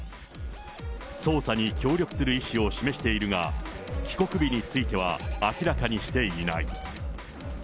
捜査に協力する意思を示しているが、帰国日については明らかにしていない。